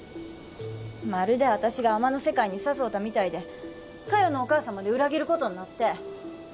まるで私が海女の世界に誘うたみたいで嘉代のお母さんまで裏切ることになって。